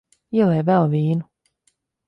Ielej vēl vīnu.